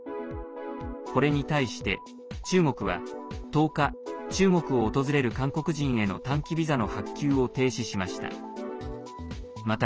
これに対して、中国は１０日中国を訪れる韓国人への短期ビザの発給を停止しました。